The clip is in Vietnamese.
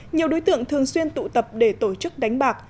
nhiều đối tượng thường xuyên tụ tập để tổ chức đánh bạc